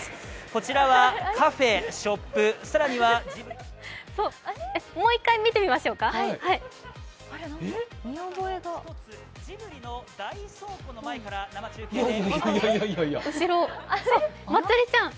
こちらはカフェ、ショップ、更にはもう１回見てみましょうかまつりちゃん